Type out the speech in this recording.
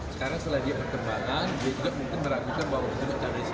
sekarang setelah dia berkembang dia juga meragukan bahwa itu adalah sebuah kecerdasan